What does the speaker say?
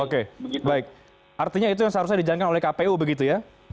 oke baik artinya itu yang seharusnya dijalankan oleh kpu begitu ya